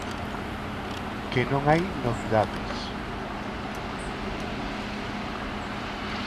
Que non hai novidades.